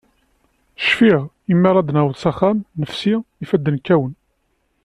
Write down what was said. Cfiɣ, mi ara d-naweḍ s axxam, nefsi, ifadden kkawen.